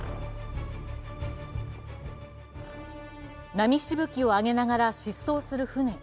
波しぶきを上げながら疾走する船。